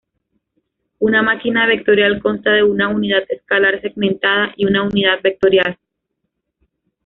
Una máquina vectorial consta de una unidad escalar segmentada y una unidad vectorial.